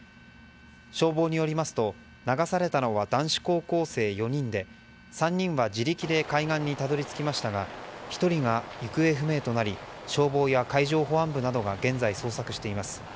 消防によりますと流されたのは男子高校生４人で３人は自力で海岸にたどり着きましたが１人が行方不明となり消防や海上保安部などが現在、捜索しています。